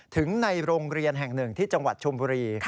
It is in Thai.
ถึงในโรงเรียนแห่งหนึ่งที่จังหวัดชมบุรี